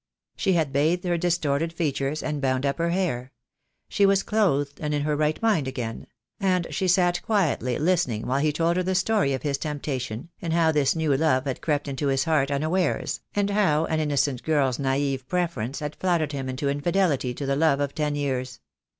She had bathed her distorted features and bound up her hair. She was clothed and in her right mind again; and she sat quietly listening while he told THE DAY WILL COME. 21Q her the story of his temptation, and how this new love had crept into his heart unawares, and how an innocent girl's naive preference had flattered him into infidelity to the love of ten years.